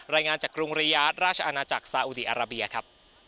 รายงานจากกรุงริยาทราชอาณาจักรสาอุดีอาราเบียครับ